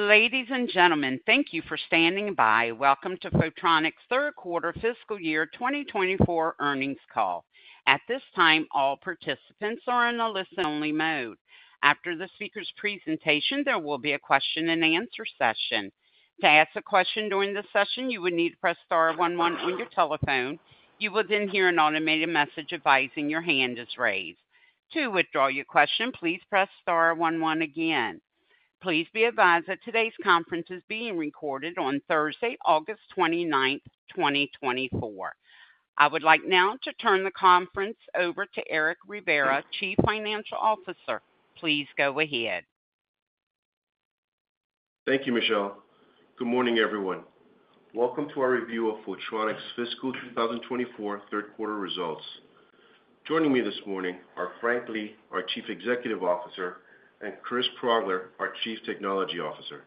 Ladies and gentlemen, thank you for standing by. Welcome to Photronics' third quarter fiscal year, twenty-twenty-four earnings call. At this time, all participants are in a listen-only mode. After the speaker's presentation, there will be a question and answer session. To ask a question during the session, you would need to press star one one on your telephone. You will then hear an automated message advising your hand is raised. To withdraw your question, please press star one one again. Please be advised that today's conference is being recorded on Thursday, August twenty-ninth, twenty-twenty-four. I would like now to turn the conference over to Eric Rivera, Chief Financial Officer. Please go ahead. Thank you, Michelle. Good morning, everyone. Welcome to our review of Photronics fiscal 2024 third quarter results. Joining me this morning are Frank Lee, our Chief Executive Officer, and Chris Progler, our Chief Technology Officer.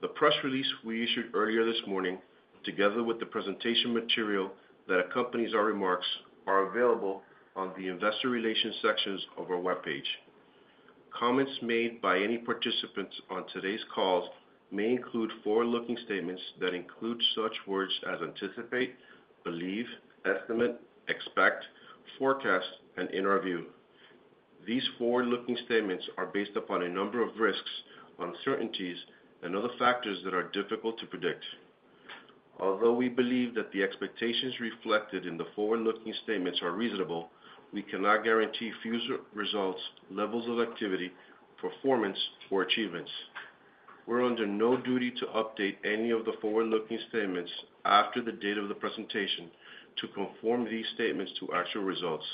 The press release we issued earlier this morning, together with the presentation material that accompanies our remarks, are available on the investor relations sections of our webpage. Comments made by any participants on today's call may include forward-looking statements that include such words as anticipate, believe, estimate, expect, forecast, and in our view. These forward-looking statements are based upon a number of risks, uncertainties, and other factors that are difficult to predict. Although we believe that the expectations reflected in the forward-looking statements are reasonable, we cannot guarantee future results, levels of activity, performance, or achievements. We're under no duty to update any of the forward-looking statements after the date of the presentation to conform these statements to actual results.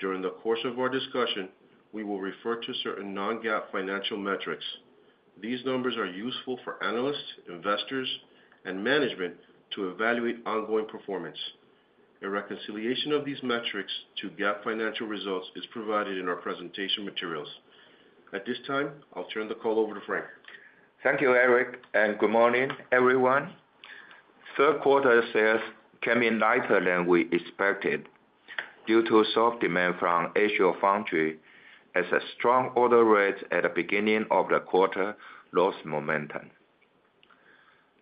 During the course of our discussion, we will refer to certain non-GAAP financial metrics. These numbers are useful for analysts, investors, and management to evaluate ongoing performance. A reconciliation of these metrics to GAAP financial results is provided in our presentation materials. At this time, I'll turn the call over to Frank. Thank you, Eric, and good morning, everyone. Third quarter sales came in lighter than we expected due to soft demand from Asia Foundry as a strong order rate at the beginning of the quarter lost momentum.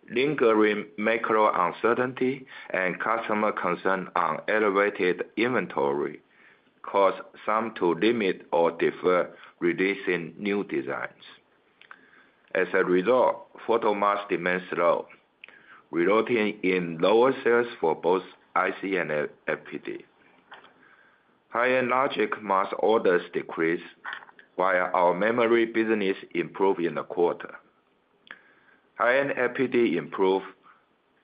Lingering macro uncertainty and customer concern on elevated inventory caused some to limit or defer releasing new designs. As a result, photomask demand slowed, resulting in lower sales for both IC and FPD. High-end logic mask orders decreased, while our memory business improved in the quarter. High-end FPD improved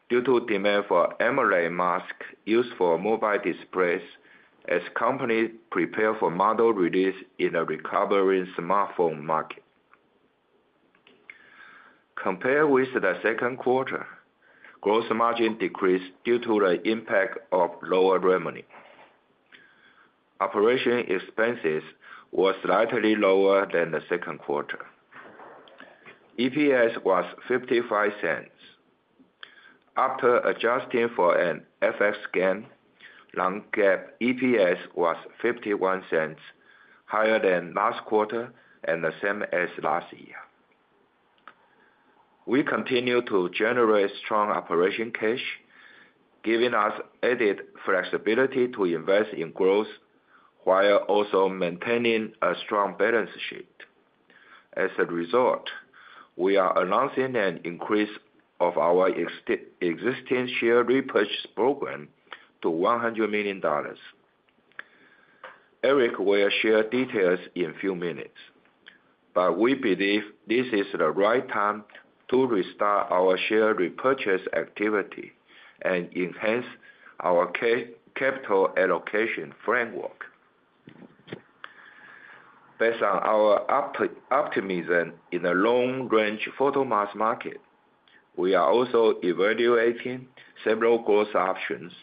due to demand for AMOLED mask used for mobile displays as companies prepare for model release in a recovering smartphone market. Compared with the second quarter, gross margin decreased due to the impact of lower revenue. Operating expenses was slightly lower than the second quarter. EPS was $0.55. After adjusting for an FX gain, non-GAAP EPS was $0.51, higher than last quarter and the same as last year. We continue to generate strong operating cash, giving us added flexibility to invest in growth while also maintaining a strong balance sheet. As a result, we are announcing an increase of our existing share repurchase program to $100 million. Eric will share details in a few minutes, but we believe this is the right time to restart our share repurchase activity and enhance our capital allocation framework. Based on our optimism in the long-range photomask market, we are also evaluating several growth options,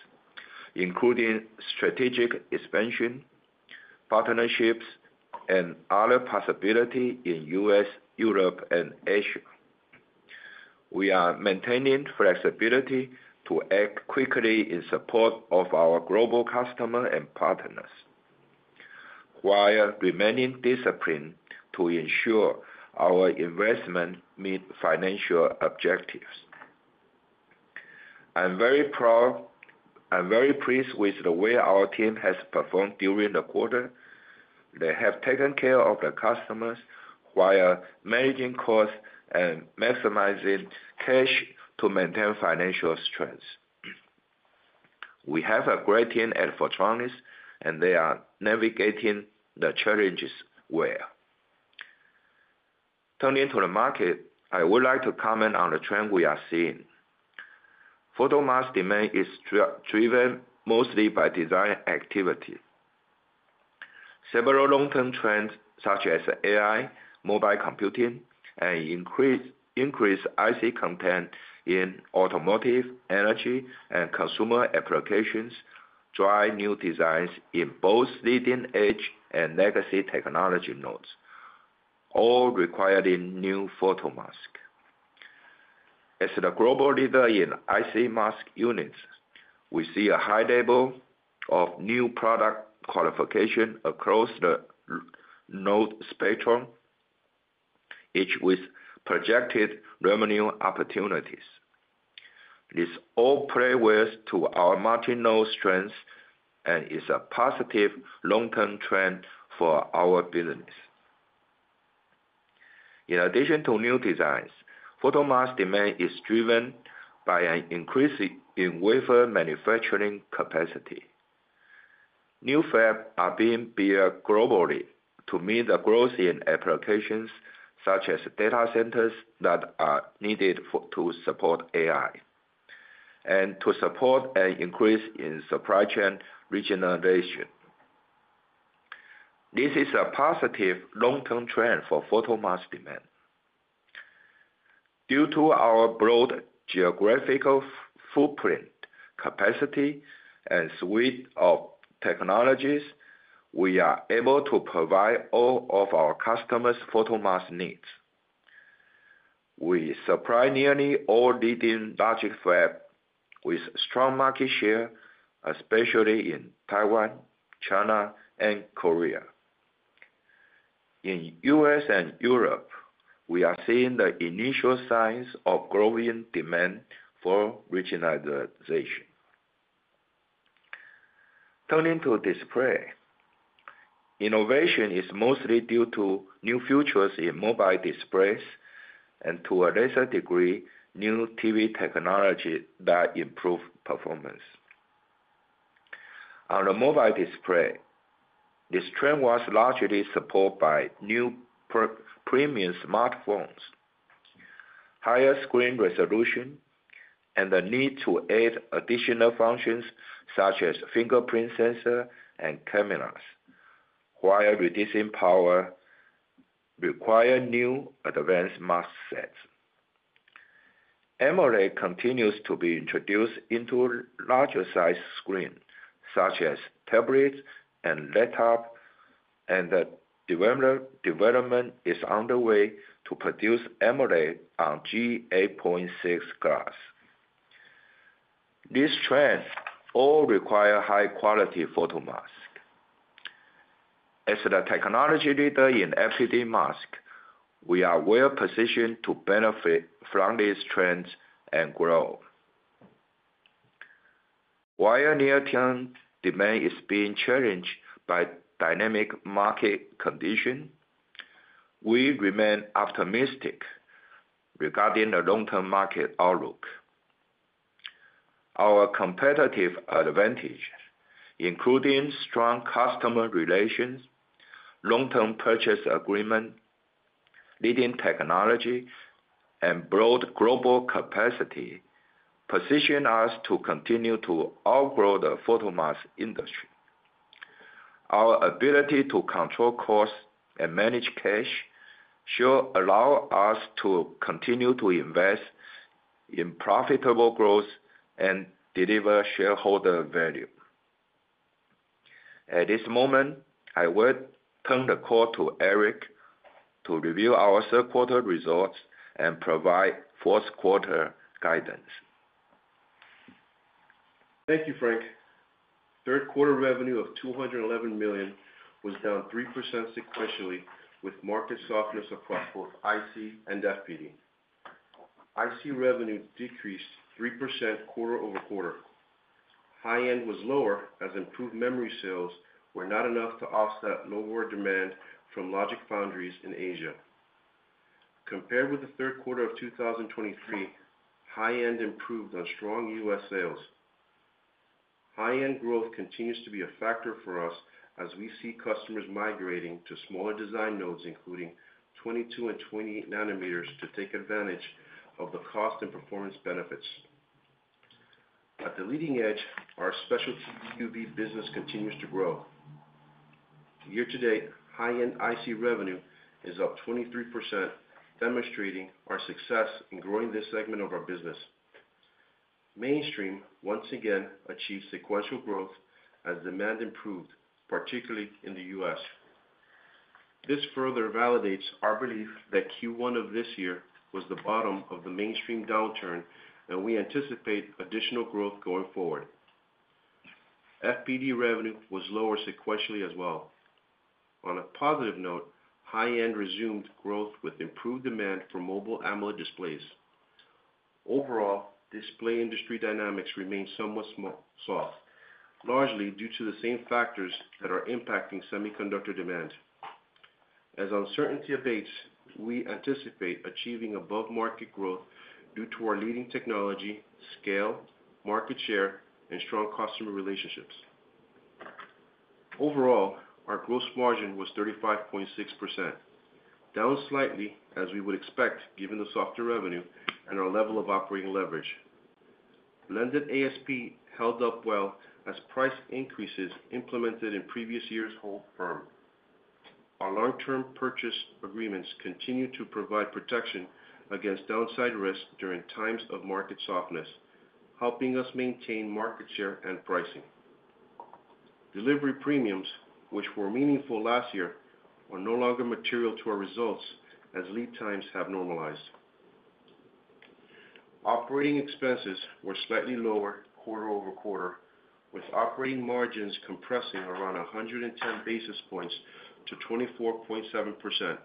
including strategic expansion, partnerships, and other possibility in U.S., Europe, and Asia. We are maintaining flexibility to act quickly in support of our global customer and partners, while remaining disciplined to ensure our investment meet financial objectives. I'm very proud... I'm very pleased with the way our team has performed during the quarter. They have taken care of the customers while managing costs and maximizing cash to maintain financial strengths. We have a great team at Photronics, and they are navigating the challenges well. Turning to the market, I would like to comment on the trend we are seeing. Photomask demand is driven mostly by design activity. Several long-term trends, such as AI, mobile computing, and increased IC content in automotive, energy, and consumer applications, drive new designs in both leading-edge and legacy technology nodes, all requiring new photomasks. As the global leader in IC mask units, we see a high level of new product qualification across the node spectrum, each with projected revenue opportunities. These all play well to our marginal strengths, and is a positive long-term trend for our business. In addition to new designs, photomask demand is driven by an increase in wafer manufacturing capacity. New fabs are being built globally to meet the growth in applications, such as data centers that are needed for, to support AI, and to support an increase in supply chain regionalization. This is a positive long-term trend for photomask demand. Due to our broad geographical footprint, capacity, and suite of technologies, we are able to provide all of our customers' photomask needs. We supply nearly all leading logic fab with strong market share, especially in Taiwan, China, and Korea. In U.S. and Europe, we are seeing the initial signs of growing demand for regionalization. Turning to display. Innovation is mostly due to new features in mobile displays, and to a lesser degree, new TV technology that improve performance. On the mobile display, this trend was largely supported by new premium smartphones. Higher screen resolution and the need to add additional functions, such as fingerprint sensor and cameras, while reducing power, require new advanced mask sets. AMOLED continues to be introduced into larger size screens, such as tablets and laptop, and the development is underway to produce AMOLED on G8.6 glass. These trends all require high-quality photomask. As the technology leader in FPD mask, we are well positioned to benefit from these trends and grow. While near-term demand is being challenged by dynamic market condition, we remain optimistic regarding the long-term market outlook. Our competitive advantage, including strong customer relations, long-term purchase agreement, leading technology, and broad global capacity, position us to continue to outgrow the photomask industry. Our ability to control costs and manage cash should allow us to continue to invest in profitable growth and deliver shareholder value. At this moment, I will turn the call to Eric to review our third quarter results and provide fourth quarter guidance. Thank you, Frank. Third quarter revenue of $211 million was down 3% sequentially, with market softness across both IC and FPD. IC revenue decreased 3% quarter over quarter. High-end was lower as improved memory sales were not enough to offset lower demand from logic foundries in Asia. Compared with the third quarter of 2023, high-end improved on strong US sales. High-end growth continues to be a factor for us as we see customers migrating to smaller design nodes, including 22 and 20 nanometers, to take advantage of the cost and performance benefits. At the leading edge, our specialty EUV business continues to grow. Year-to-date, high-end IC revenue is up 23%, demonstrating our success in growing this segment of our business. Mainstream, once again, achieved sequential growth as demand improved, particularly in the US. This further validates our belief that Q1 of this year was the bottom of the mainstream downturn, and we anticipate additional growth going forward. FPD revenue was lower sequentially as well. On a positive note, high-end resumed growth with improved demand for mobile AMOLED displays. Overall, display industry dynamics remain somewhat soft, largely due to the same factors that are impacting semiconductor demand. As uncertainty abates, we anticipate achieving above-market growth due to our leading technology, scale, market share, and strong customer relationships. Overall, our gross margin was 35.6%, down slightly as we would expect, given the softer revenue and our level of operating leverage. Blended ASP held up well as price increases implemented in previous years held firm. Our long-term purchase agreements continue to provide protection against downside risk during times of market softness, helping us maintain market share and pricing. Delivery premiums, which were meaningful last year, are no longer material to our results as lead times have normalized. Operating expenses were slightly lower quarter over quarter, with operating margins compressing around 110 basis points to 24.7%.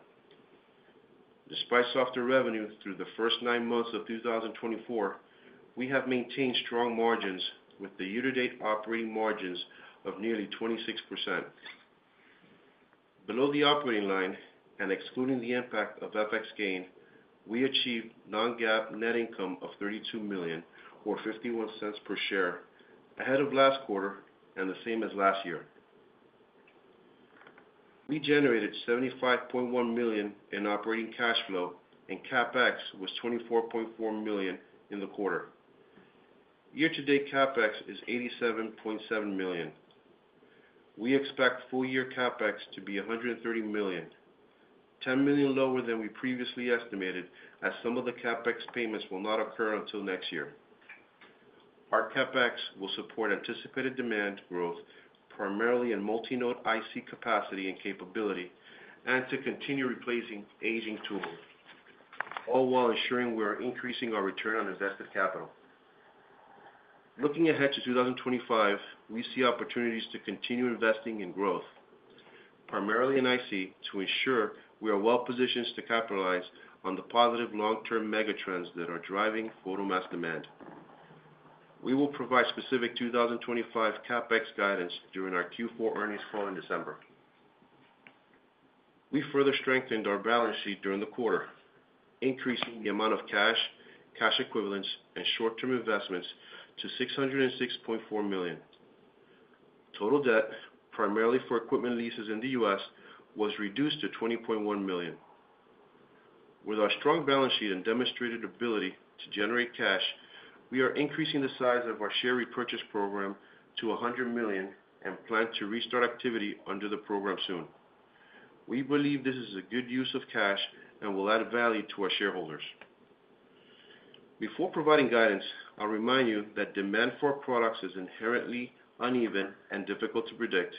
Despite softer revenue through the first nine months of two thousand and twenty-four, we have maintained strong margins with the year-to-date operating margins of nearly 26%. Below the operating line and excluding the impact of FX gain, we achieved non-GAAP net income of $32 million, or $0.51 per share, ahead of last quarter and the same as last year. We generated $75.1 million in operating cash flow, and CapEx was $24.4 million in the quarter. Year-to-date CapEx is $87.7 million. We expect full year CapEx to be $130 million, 10 million lower than we previously estimated, as some of the CapEx payments will not occur until next year. Our CapEx will support anticipated demand growth, primarily in multi-node IC capacity and capability, and to continue replacing aging tools, all while ensuring we are increasing our return on invested capital. Looking ahead to 2025, we see opportunities to continue investing in growth, primarily in IC, to ensure we are well positioned to capitalize on the positive long-term mega trends that are driving photomask demand. We will provide specific 2025 CapEx guidance during our Q4 earnings call in December. We further strengthened our balance sheet during the quarter, increasing the amount of cash, cash equivalents, and short-term investments to $606.4 million. Total debt, primarily for equipment leases in the US, was reduced to $20.1 million. With our strong balance sheet and demonstrated ability to generate cash, we are increasing the size of our share repurchase program to $100 million and plan to restart activity under the program soon. We believe this is a good use of cash and will add value to our shareholders. Before providing guidance, I'll remind you that demand for our products is inherently uneven and difficult to predict,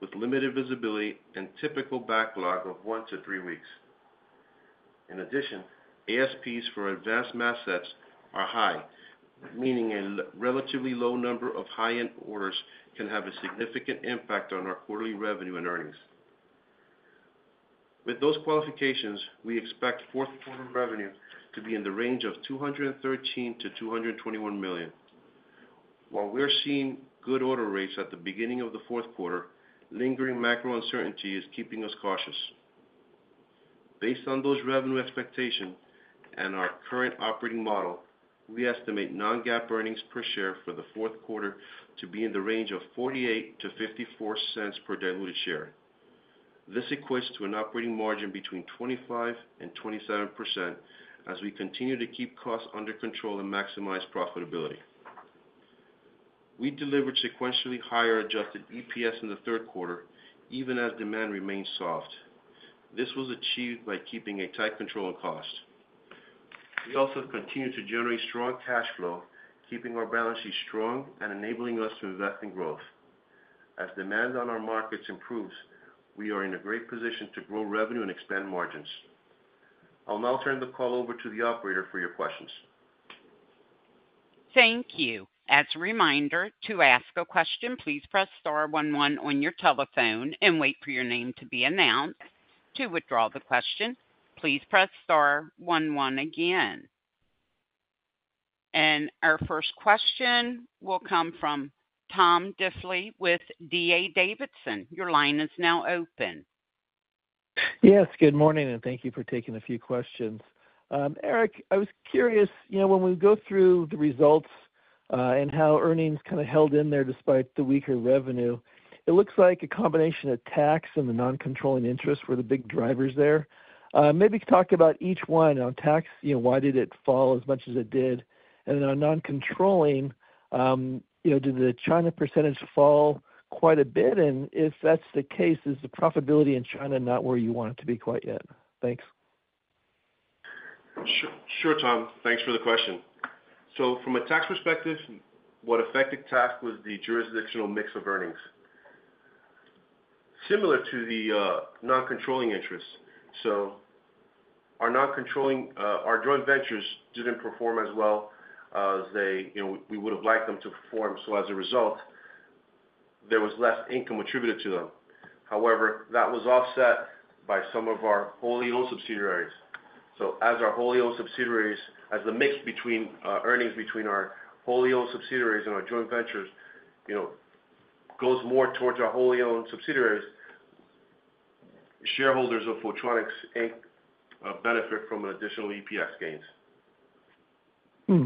with limited visibility and typical backlog of one to three weeks. In addition, ASPs for advanced mask sets are high, meaning a relatively low number of high-end orders can have a significant impact on our quarterly revenue and earnings. With those qualifications, we expect fourth quarter revenue to be in the range of $213 to 221 million. While we're seeing good order rates at the beginning of the fourth quarter, lingering macro uncertainty is keeping us cautious. Based on those revenue expectations and our current operating model, we estimate non-GAAP earnings per share for the fourth quarter to be in the range of $0.48-$0.54 per diluted share. This equates to an operating margin between 25% and 27%, as we continue to keep costs under control and maximize profitability. We delivered sequentially higher adjusted EPS in the third quarter, even as demand remained soft. This was achieved by keeping a tight control of cost. We also continued to generate strong cash flow, keeping our balance sheet strong and enabling us to invest in growth. As demand on our markets improves, we are in a great position to grow revenue and expand margins. I'll now turn the call over to the operator for your questions. Thank you. As a reminder, to ask a question, please press star one one on your telephone and wait for your name to be announced. To withdraw the question, please press star one one again. And our first question will come from Tom Diffely with D.A. Davidson. Your line is now open. Yes, good morning, and thank you for taking a few questions. Eric, I was curious, you know, when we go through the results, and how earnings kind of held in there despite the weaker revenue, it looks like a combination of tax and the non-controlling interest were the big drivers there. Maybe talk about each one. On tax, you know, why did it fall as much as it did? And on non-controlling, you know, did the China percentage fall quite a bit? And if that's the case, is the profitability in China not where you want it to be quite yet? Thanks. Sure, Tom. Thanks for the question. So from a tax perspective, what affected tax was the jurisdictional mix of earnings. Similar to the non-controlling interests, so our non-controlling our joint ventures didn't perform as well as they, you know, we would have liked them to perform. So as a result, there was less income attributed to them. However, that was offset by some of our wholly owned subsidiaries. So as our wholly owned subsidiaries, as the mix between, earnings between our wholly owned subsidiaries and our joint ventures, you know, goes more towards our wholly owned subsidiaries, shareholders of Photronics Inc. benefit from an additional EPS gains.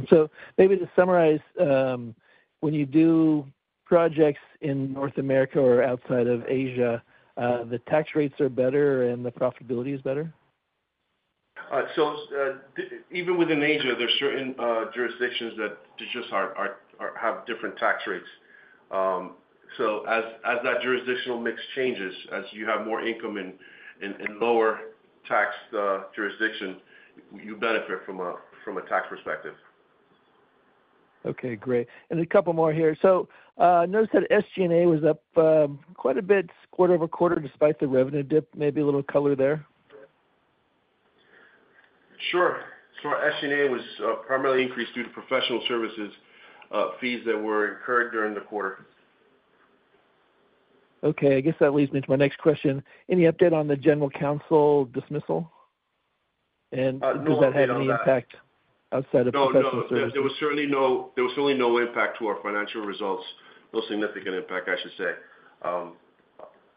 So maybe to summarize, when you do projects in North America or outside of Asia, the tax rates are better and the profitability is better? So even within Asia, there are certain jurisdictions that just have different tax rates. So as that jurisdictional mix changes, as you have more income in lower tax jurisdiction, you benefit from a tax perspective. ... Okay, great. And a couple more here. So, noticed that SG&A was up quite a bit quarter over quarter, despite the revenue dip. Maybe a little color there? Sure. So our SG&A was primarily increased due to professional services, fees that were incurred during the quarter. Okay. I guess that leads me to my next question. Any update on the general counsel dismissal? And does that have any impact outside of professional services? No, there was certainly no impact to our financial results. No significant impact, I should say.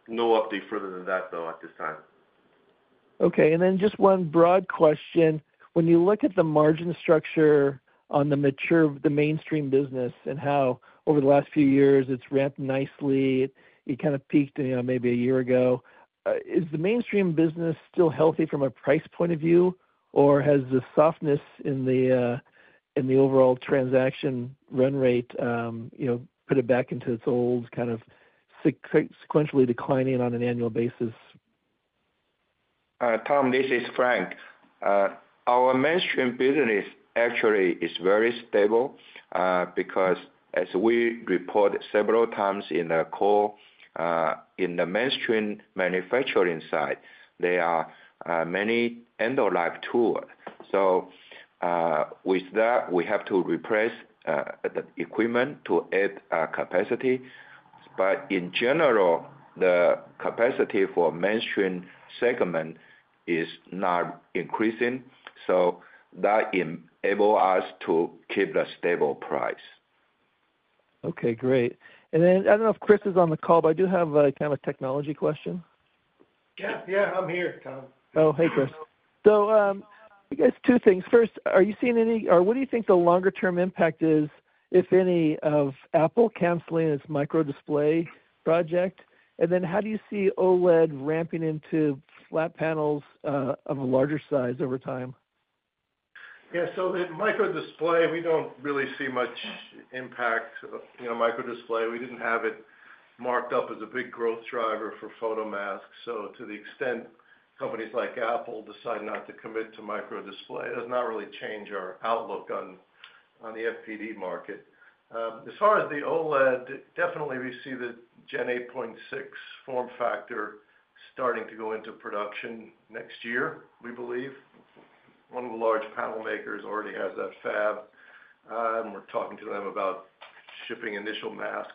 No update further than that, though, at this time. Okay, and then just one broad question. When you look at the margin structure on the mature, the mainstream business, and how over the last few years, it's ramped nicely, it kind of peaked, you know, maybe a year ago. Is the mainstream business still healthy from a price point of view, or has the softness in the in the overall transaction run rate, you know, put it back into its old kind of sequentially declining on an annual basis? Tom, this is Frank. Our mainstream business actually is very stable, because as we reported several times in the call, in the mainstream manufacturing side, there are many end-of-life tool. So, with that, we have to replace the equipment to add capacity. But in general, the capacity for mainstream segment is not increasing, so that enable us to keep a stable price. Okay, great. And then I don't know if Chris is on the call, but I do have kind of a technology question. Yeah. Yeah, I'm here, Tom. Oh, hey, Chris. So, I guess two things. First, what do you think the longer-term impact is, if any, of Apple canceling its microdisplay project? And then how do you see OLED ramping into flat panels, of a larger size over time? Yeah, so in microdisplay, we don't really see much impact. You know, microdisplay, we didn't have it marked up as a big growth driver for photomasks, so to the extent companies like Apple decide not to commit to microdisplay, it does not really change our outlook on the FPD market. As far as the OLED, definitely we see the Gen 8.6 form factor starting to go into production next year, we believe. One of the large panel makers already has that fab, and we're talking to them about shipping initial masks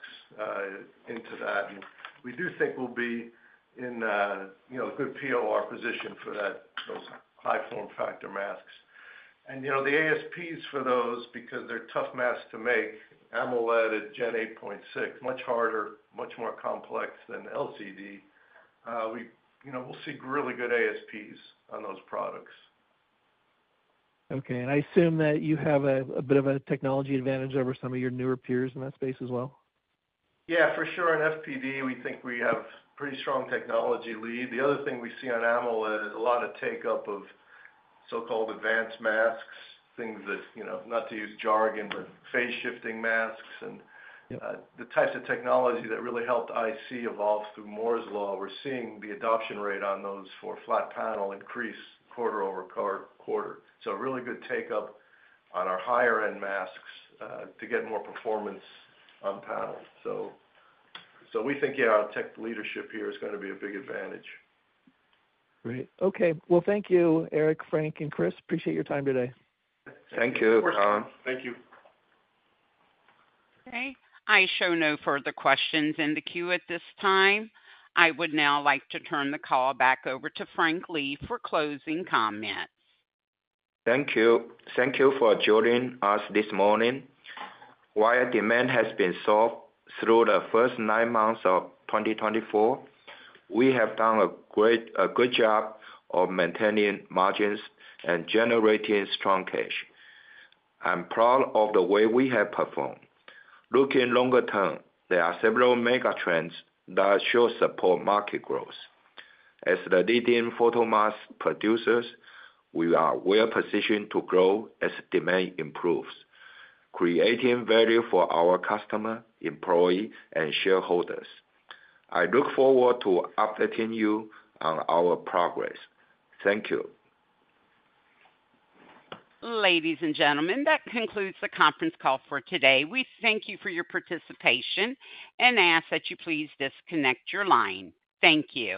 into that, and we do think we'll be in a good POR position for that, those high form factor masks, and you know, the ASPs for those, because they're tough masks to make, AMOLED at Gen 8.6, much harder, much more complex than LCD. We, you know, we'll see really good ASPs on those products. Okay. And I assume that you have a, a bit of a technology advantage over some of your newer peers in that space as well? Yeah, for sure. In FPD, we think we have pretty strong technology lead. The other thing we see on AMOLED is a lot of uptake of so-called advanced masks, things that, you know, not to use jargon, but phase-shifting masks and- Yeah... the types of technology that really helped IC evolve through Moore's Law. We're seeing the adoption rate on those for flat panel increase quarter over quarter. So a really good take up on our higher-end masks to get more performance on panel. So we think, yeah, our tech leadership here is gonna be a big advantage. Great. Okay. Well, thank you, Eric, Frank, and Chris. Appreciate your time today. Thank you, Tom. Thank you. Okay, I show no further questions in the queue at this time. I would now like to turn the call back over to Frank Lee for closing comments. Thank you. Thank you for joining us this morning. While demand has been soft through the first nine months of twenty twenty-four, we have done a good job of maintaining margins and generating strong cash. I'm proud of the way we have performed. Looking longer term, there are several mega trends that should support market growth. As the leading photomask producers, we are well positioned to grow as demand improves, creating value for our customer, employee, and shareholders. I look forward to updating you on our progress. Thank you. Ladies and gentlemen, that concludes the conference call for today. We thank you for your participation and ask that you please disconnect your line. Thank you.